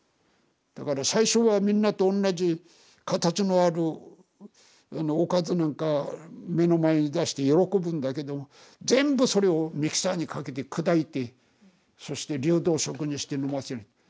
だから最初はみんなと同じ形のあるおかずなんか目の前に出して喜ぶんだけど全部それをミキサーにかけて砕いてそして流動食にして飲ませる。